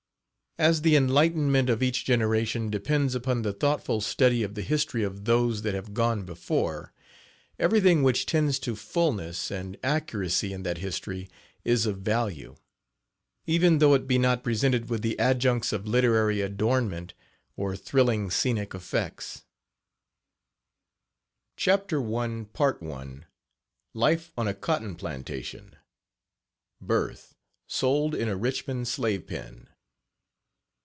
As the enlightenment of each generation depends upon the thoughtful study of the history of those that have gone before, everything which tends to fullness and accuracy in that history is of value, even though it be not presented with the adjuncts of literary adornment, or thrilling scenic effects. Page 5 CHAPTER I. LIFE ON A COTTON PLANTATION. BIRTH SOLD IN A RICHMOND SLAVE PEN.